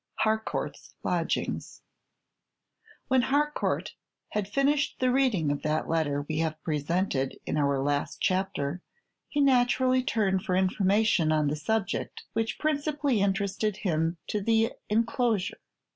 HARCOURT'S LODGINGS When Harcourt had finished the reading of that letter we have presented in our last chapter, he naturally turned for information on the subject which principally interested him to the enclosure.